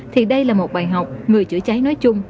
thì đây là một bài học người chữa cháy nói chung